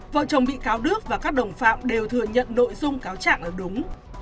vợ chồng bị cáo đức và các đồng phạm đều thừa nhận nội dung cáo trạng là đúng